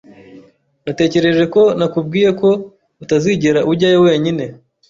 Natekereje ko nakubwiye ko utazigera ujyayo wenyine.